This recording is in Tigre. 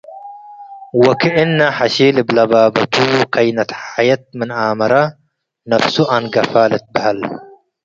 ወክእና' ሐሺል እብ ለባበቱ፡ ከይነት ሐየት ምን ኣመረ ነፍሱ አንገፈ፡ ልትበሀል።